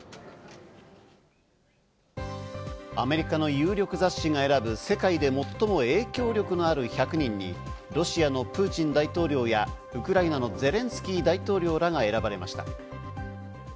アメリカの有力雑誌が選ぶ世界で最も影響力のある１００人に、ロシアのプーチン大統領やウクライナのゼレンスキー大統領らが選ばれました。